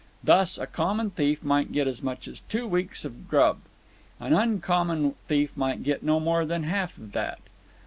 Thus, a common thief might get as much as two weeks' grub; an uncommon thief might get no more than half of that.